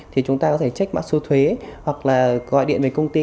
thì chúng ta có thể check mạng xu thuế hoặc là gọi điện về công ty